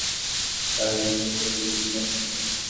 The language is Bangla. স্যার, বিক্রমকে টিভিতে দেখাচ্ছে।